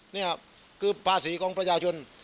นี่คือภาษีของประชาชน